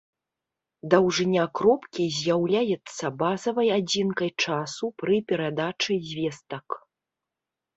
Даўжыня кропкі з'яўляецца базавай адзінкай часу пры перадачы звестак.